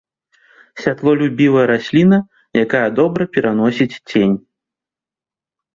Святлолюбівая расліна, якая добра пераносіць цень.